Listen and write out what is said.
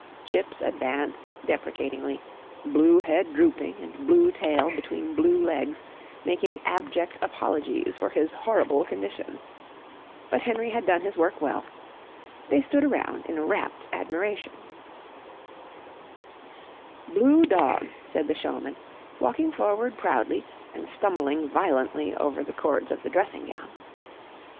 Chips advanced deprecatingly, blue head drooping, and blue tail between blue legs, making abject apologies for his horrible condition. But Henry had done his work well. They stood around in rapt admiration. [Illustration: THE GOADED GINGER'S VOICE CAME FROM THE GIANT'S MIDDLE REGIONS.] "Blue dog," said the showman, walking forward proudly and stumbling violently over the cords of the dressing gown.